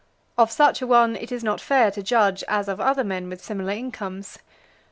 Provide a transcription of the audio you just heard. Of such a one it is not fair to judge as of other men with similar incomes.